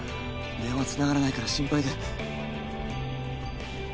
電話繋がらないから心配で。